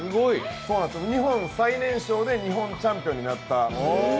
日本最年少で日本チャンピオンになった。